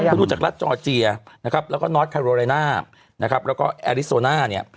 ไปดูจากรัฐจอร์เจียนะครับแล้วก็นอทคาโรไรน่านะครับแล้วก็แอริโซน่าเนี่ย